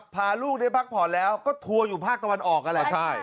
พาลูกได้พักผ่อนแล้วก็ทัวร์อยู่ภาคตะวันออกนั่นแหละ